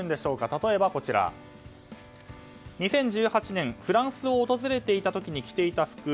例えば、２０１８年フランスを訪れた時に着ていた服。